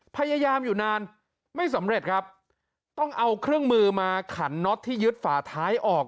พยายามอยู่นานไม่สำเร็จครับต้องเอาเครื่องมือมาขันน็อตที่ยึดฝาท้ายออก